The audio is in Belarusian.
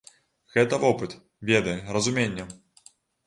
Гэта вопыт, веды, разуменне.